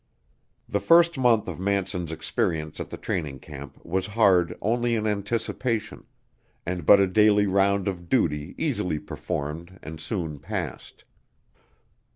The first month of Manson's experience at the training camp was hard only in anticipation, and but a daily round of duty easily performed and soon passed.